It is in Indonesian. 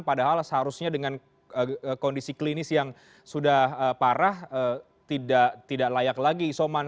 padahal seharusnya dengan kondisi klinis yang sudah parah tidak layak lagi isoman